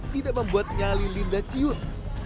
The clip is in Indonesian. tidak membuat nyali linda ciut